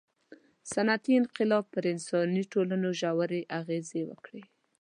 • صنعتي انقلاب پر انساني ټولنو ژورې اغېزې وکړې.